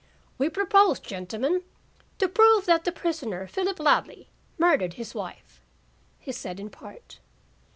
"We propose, gentlemen, to prove that the prisoner, Philip Ladley, murdered his wife," he said in part.